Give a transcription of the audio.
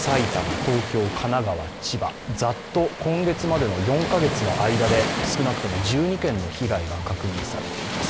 ざっと今月までの４か月の間で少なくとも１２件の被害が確認されています。